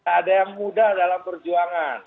ada yang mudah dalam perjuangan